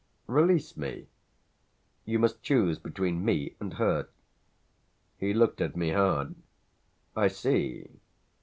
"Release me?" "You must choose between me and her." He looked at me hard. "I see."